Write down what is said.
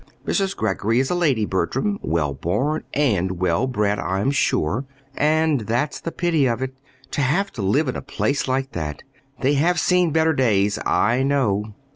Mrs. Greggory is a lady, Bertram, well born and well bred, I'm sure and that's the pity of it, to have to live in a place like that! They have seen better days, I know.